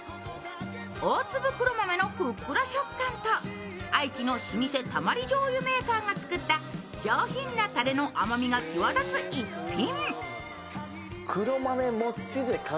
大粒黒豆のふっくら食感と愛知の老舗たまりじょうゆメーカーがつくった上品なたれの甘みが際立つ逸品。